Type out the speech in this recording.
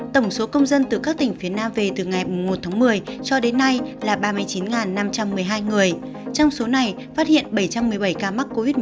tổng số công dân từ các tỉnh phía nam về từ ngày một tháng một mươi cho đến nay là ba mươi chín năm trăm một mươi hai người trong số này phát hiện bảy trăm một mươi bảy ca mắc covid một mươi chín